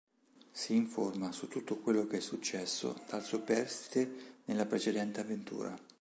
Si informa su tutto quello che è successo dal superstite nella precedente avventura.